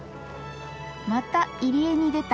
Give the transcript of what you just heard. また入り江に出た。